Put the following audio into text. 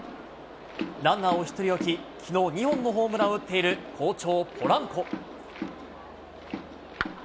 ランナーを１人置き、きのう、２本のホームランを打っている好調、ポランコ。